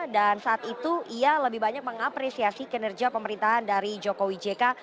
dan saat itu ia lebih banyak mengapresiasi kinerja pemerintahan dari jokowi jk